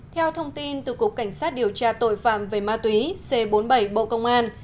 theo thông tin từ cục cảnh sát điều tra tội phạm về ma túy c bốn mươi bảy bộ công an